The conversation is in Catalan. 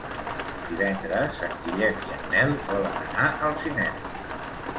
Divendres en Guillem i en Nel volen anar al cinema.